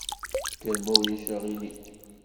Kker ma ulac aɣilif.